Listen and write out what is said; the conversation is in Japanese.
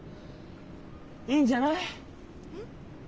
いいんじゃない？えっ？